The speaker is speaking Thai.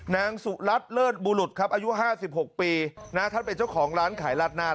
นางสุรัสเลิศบูรุษครับอายุห้าสิบหกปีนะถ้าเป็นเจ้าของร้านขายลาดหน้า